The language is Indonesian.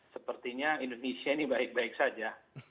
sepertinya indonesia ini baik baik saja